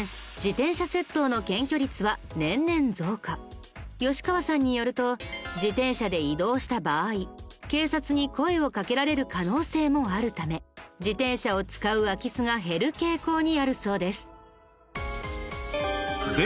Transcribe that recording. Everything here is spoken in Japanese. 近年吉川さんによると自転車で移動した場合警察に声をかけられる可能性もあるため自転車を使う空き巣が減る傾向にあるそうです。